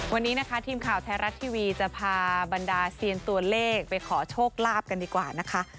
วันนี้นะคะทีมข่าวไทยรัฐทีวีจะพาบรรดาเซียนตัวเลขไปขอโชคลาภกันดีกว่านะคะ